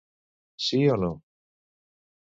Sí o No?